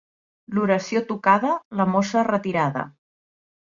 L'oració tocada, la mossa retirada.